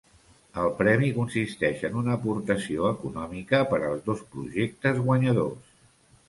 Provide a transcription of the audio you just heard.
El premi consisteix en una aportació econòmica per als dos projectes guanyadors.